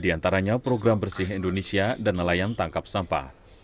di antaranya program bersih indonesia dan nelayan tangkap sampah